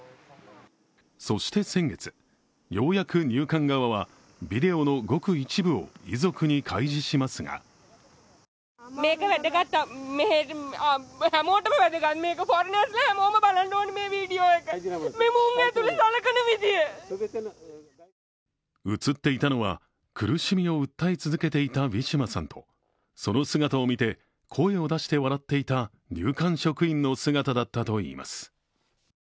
そして先月、ようやく入管側はビデオのごく一部を遺族に開示しますが映っていたのは苦しみを訴え続けていたウィシュマさんと、その姿を見て声を出して笑っていた入管職員の姿だったといいます。